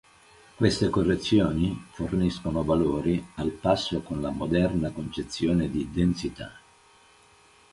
Queste correzioni forniscono valori al passo con la moderna concezione di densità.